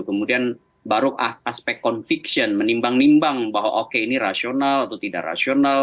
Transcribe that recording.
kemudian baru aspek conviction menimbang nimbang bahwa oke ini rasional atau tidak rasional